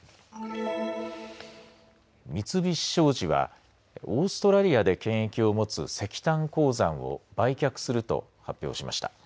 三菱商事はオーストラリアで権益を持つ石炭鉱山を売却すると発表しました。